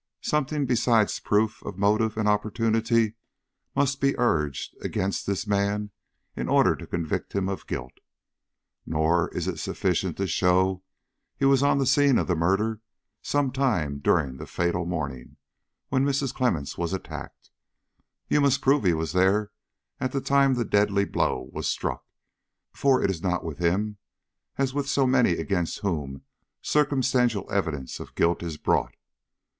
Something besides proof of motive and opportunity must be urged against this man in order to convict him of guilt. Nor is it sufficient to show he was on the scene of murder some time during the fatal morning when Mrs. Clemmens was attacked; you must prove he was there at the time the deadly blow was struck; for it is not with him as with so many against whom circumstantial evidence of guilt is brought.